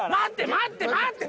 待ってって。